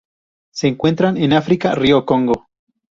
Se encuentran en África: Río Congo.